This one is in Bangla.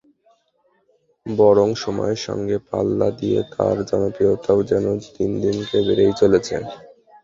বরং সময়ের সঙ্গে পাল্লা দিয়ে তাঁর জনপ্রিয়তাও যেন দিনকে দিন বেড়েই চলেছে।